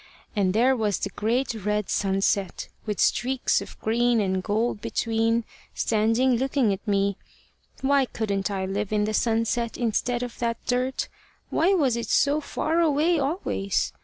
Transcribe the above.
And there was the great red sunset, with streaks of green and gold between, standing looking at me. Why couldn't I live in the sunset instead of in that dirt? Why was it so far away always?